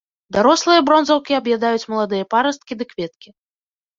Дарослыя бронзаўкі аб'ядаюць маладыя парасткі ды кветкі.